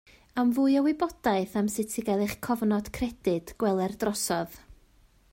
Am fwy o wybodaeth am sut i gael eich cofnod credyd gweler drosodd.